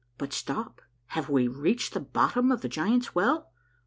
But stop, have we reached the bottom of the Giants' Well?